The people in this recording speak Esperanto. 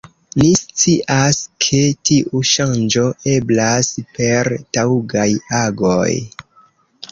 Ni scias, ke tiu ŝanĝo eblas per taŭgaj agoj.